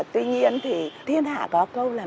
tuy nhiên thì thiên hạ có câu là